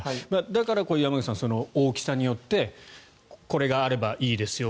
だから山口さん、大きさによってこれがあればいいですよ